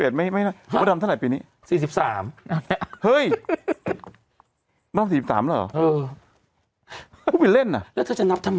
ใช่แต่วันนี้เราไม่ถือว่าแก่